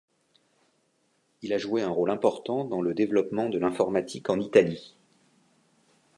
Il a joué un rôle important dans le développement de l’informatique en Italie.